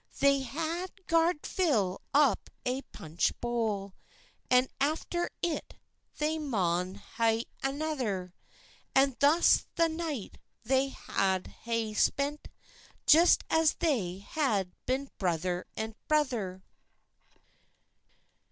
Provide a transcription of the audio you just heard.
They hae gard fill up ae punch bowl, And after it they maun hae anither, And thus the night they a' hae spent, Just as they had been brither and brither.